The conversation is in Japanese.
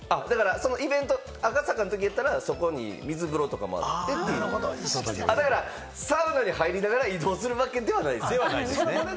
赤坂の時やったら、そこに水風呂とかもあって、サウナに入りながら移動するわけではないですよ。